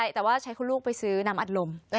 แต่ว่าใช้คุณลูกไปซื้อน้ำอัดลม